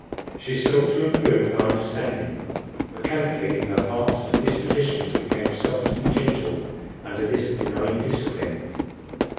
She sought to improve her understanding; mechanically her heart and dispositions became soft and gentle under this benign discipline.